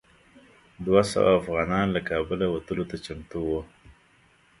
دوه سوه افغانان له کابله وتلو ته چمتو وو.